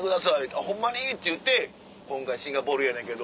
「あっホンマに？」って言って「今回シンガポールやねんけど」。